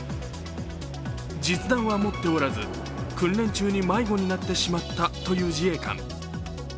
実弾は持っておらず、訓練中に迷子になってしまったという自衛官。